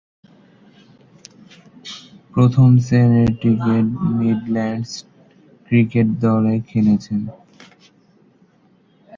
প্রথম-শ্রেণীর ক্রিকেটে Midlands cricket দলে খেলেছেন।